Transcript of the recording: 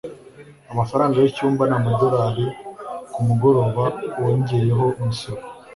Amafaranga yicyumba ni amadorari kumugoroba wongeyeho umusoro.